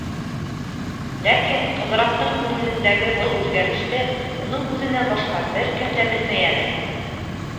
Ләкин Ҡыҙырастың күңелендәге был үҙгәреште уның үҙенән башҡа бер кем дә белмәй әле.